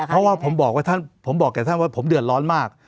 เพราะว่าผมบอกแก่ท่านว่าผมเดือดร้อนมาก